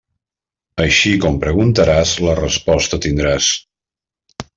Així com preguntaràs, la resposta tindràs.